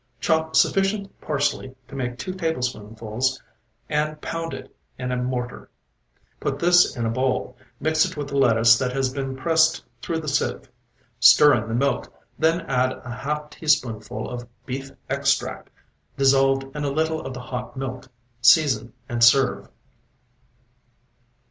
Chop sufficient parsley to make two tablespoonfuls and pound it in a mortar. Put this in a bowl; mix it with the lettuce that has been pressed through the sieve. Stir in the milk, then add a half teaspoonful of beef extract, dissolved in a little of the hot milk; season and serve.